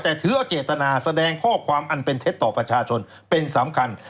แต่ถือว่าเจตนาแสดงข้อความอันเป็นเท็จต่อประชาชนเป็นสำคัญ